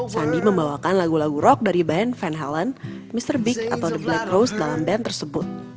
sandi membawakan lagu lagu rock dari band van halen mr big atau the black rose dalam band tersebut